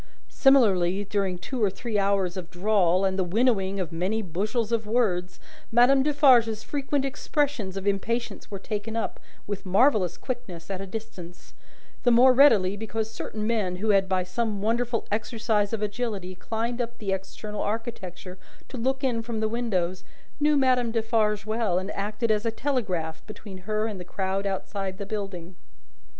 Similarly, during two or three hours of drawl, and the winnowing of many bushels of words, Madame Defarge's frequent expressions of impatience were taken up, with marvellous quickness, at a distance: the more readily, because certain men who had by some wonderful exercise of agility climbed up the external architecture to look in from the windows, knew Madame Defarge well, and acted as a telegraph between her and the crowd outside the building.